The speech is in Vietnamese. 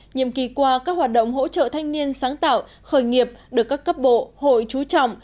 nhiệm kỳ qua các hoạt động hỗ trợ thanh niên sáng tạo khởi nghiệp được các cấp bộ hội trú trọng